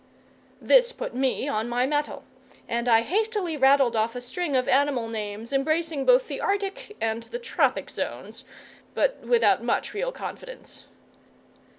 This put me on my mettle, and I hastily rattled off a string of animal names embracing both the arctic and the tropic zones, but without much real confidence.